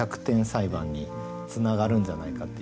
裁判につながるんじゃないかっていうような。